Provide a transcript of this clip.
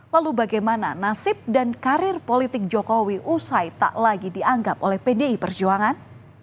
lalu bagaimana nasib dan karir politik jokowi usai tak lagi dianggap oleh pdi perjuangan